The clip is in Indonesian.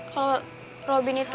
kalau robin itu